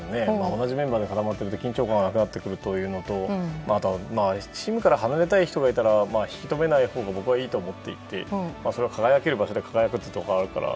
同じメンバーで固まってると緊張感がなくなってくるのとあとはチームから離れたい人がいたら引き止めないほうが僕はいいと思っていてそれは輝ける場所で輝くというところがあるから。